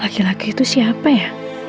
lagi lagi itu siapa ya